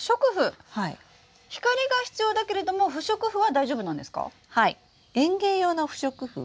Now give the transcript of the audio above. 光が必要だけれども不織布は大丈夫なんですか？